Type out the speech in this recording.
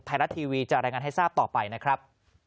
ไทยรัฐทีวีจะรายงานให้ทราบต่อไปนะครับ